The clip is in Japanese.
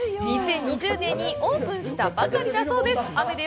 ２０２０年にオープンしたばかりだそうです。